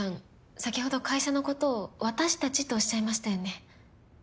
先ほど会社のことを私たちとおっしゃいましたよね？